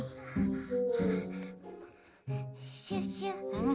うん？